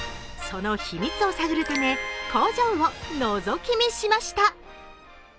その秘密を探るため、工場をのぞき見しました。